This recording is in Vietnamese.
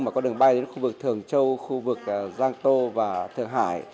mà có đường bay đến khu vực thường châu khu vực giang tô và thượng hải